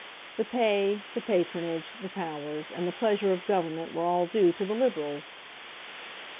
The pay, the patronage, the powers, and the pleasure of Government were all due to the Liberals.